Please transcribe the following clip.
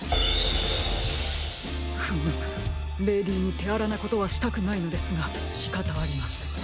フムムレディーにてあらなことはしたくないのですがしかたありません。